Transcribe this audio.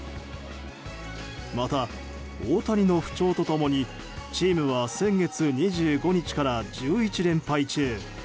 また、大谷の不調と共にチームは先月２５日から１１連敗中。